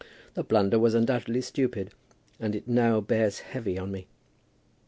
The blunder was undoubtedly stupid, and it now bears heavy on me.